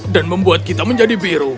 dan membuat kita menjadi biru